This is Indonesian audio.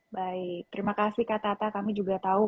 baik terima kasih kak tata kami juga tahu